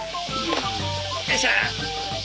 よいしょ。